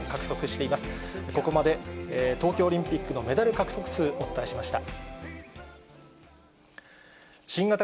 ここまで東京オリンピックのメダル獲得数、お伝えしました。